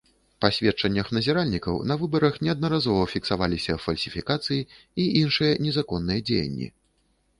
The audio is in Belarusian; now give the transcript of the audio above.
Па сведчаннях назіральнікаў, на выбарах неаднаразова фіксаваліся фальсіфікацыі і іншыя незаконныя дзеянні.